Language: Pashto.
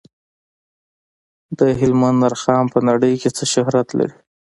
د هلمند رخام په نړۍ کې څه شهرت لري؟